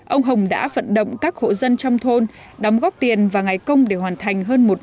ông hồng đã vận động các hộ dân trong thôn đóng góp tiền và ngày công để hoàn thành hơn